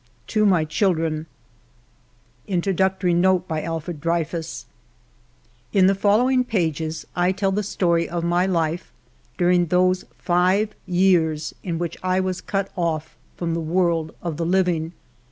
To My Children 27t;7G3 INTRODUCTORY NOTE In the following pages I tell the story of my life during those five years in which I was cut off from the world of the living.